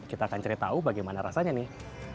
kita akan cari tahu bagaimana rasanya nih